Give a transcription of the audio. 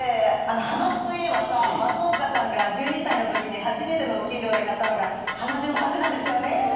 ハマチといえばさ松岡さんが１２歳のときに初めてのお給料で買ったのがハマチのさくなんですよね。